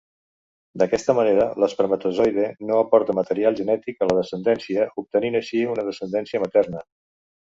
D'aquesta manera l'espermatozoide no aporta material genètic a la descendència, obtenint així una descendència materna.